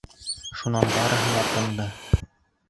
Шунан барыһы ла тынды.